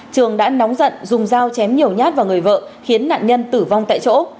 trường đã nóng giận dùng dao chém nhiều nhát vào người vợ khiến nạn nhân tử vong tại chỗ